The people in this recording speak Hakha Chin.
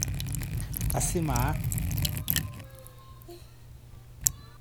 Kawm an puah.